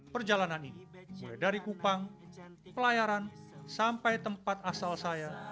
perjalanan ini mulai dari kupang pelayaran sampai tempat asal saya